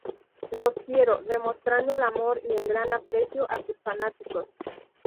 Los Quiero"", demostrando el amor y el gran aprecio a sus fanáticos.